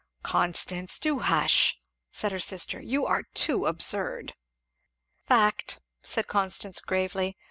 "Constance! Do hush!" said her sister. "You are too absurd." "Fact," said Constance gravely.